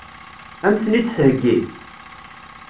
Ad m-ten-id-theggi?